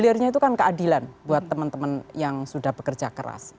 dihilirnya itu kan keadilan buat temen temen yang sudah bekerja keras